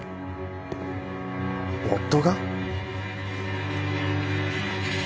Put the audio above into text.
夫が！？